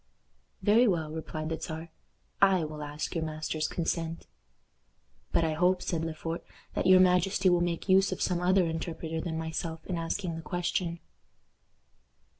"Very well," replied the Czar; "I will ask your master's consent." "But I hope," said Le Fort, "that your majesty will make use of some other interpreter than myself in asking the question."